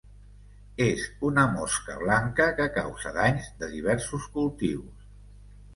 És una mosca blanca que causa danys de diversos cultius.